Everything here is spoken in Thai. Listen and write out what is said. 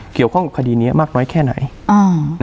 เกี่ยวข้องคดีนี้มากน้อยแค่ไหน